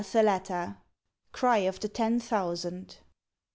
THALATTA! CRY OF THE TEN THOUSAND.